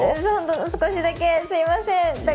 少しだけ、すみません。